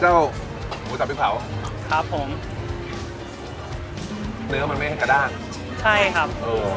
ใช่ครับ